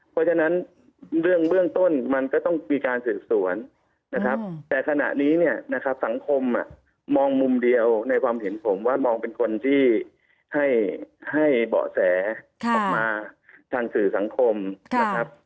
เพราะฉะนั้นเรื่องเบื้องต้นมันก็ต้องมีการสืบสวนนะครับแต่ขณะนี้เนี่ยนะครับสังคมมองมุมเดียวในความเห็นผมว่ามองเป็นคนที่ให้เบาะแสออกมาทางสื่อสังคมนะครับ